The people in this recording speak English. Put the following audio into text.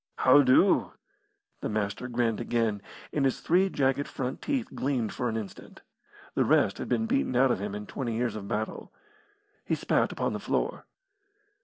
"How do?" The Master grinned again, and his three jagged front teeth gleamed for an instant. The rest had been beaten out of him in twenty years of battle. He spat upon the floor.